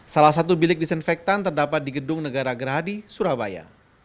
salah satu bilik disinfektan terdapat di gedung negara gerhadi surabaya